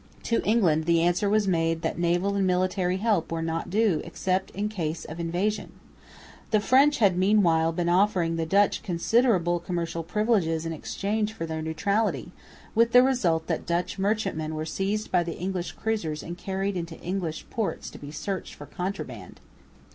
To England the answer was made that naval and military help were not due except in case of invasion. The French had meanwhile been offering the Dutch considerable commercial privileges in exchange for their neutrality, with the result that Dutch merchantmen were seized by the English cruisers and carried into English ports to be searched for contraband.